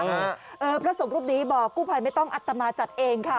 พระสงฆ์รูปนี้บอกกู้ภัยไม่ต้องอัตมาจัดเองค่ะ